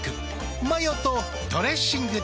マヨとドレッシングで。